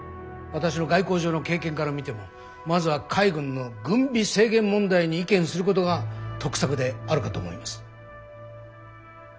私の外交上の経験から見てもまずは海軍の軍備制限問題に意見することが得策であるかと思います。